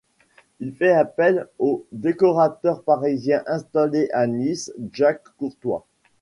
Il fait appel au décorateur parisien installé à Nice Jacques Courtois.